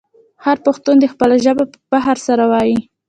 هر پښتون دې خپله ژبه په فخر سره وویې.